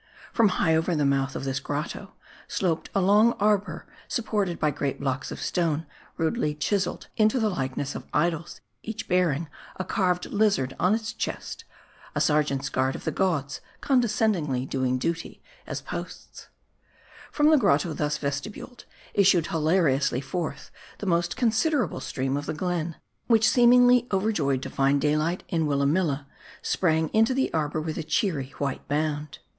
From high over the month of this grotto, sloped a long arbor, supported by great blocks of stone, rudely chiseled into the likeness of idols, each bearing a carved lizard on its chest : a sergeant's guard of the gods condescendingly doing duty as From the grotto thus vestibuled, issued hilariously forth the most considerable stream of the glen ; which, seemingly overjoyed to find daylight in Willamilla, sprang into the arbor with a cheery, white bound.